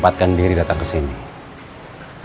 tapi amat terus